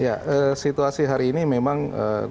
ya situasi hari ini memang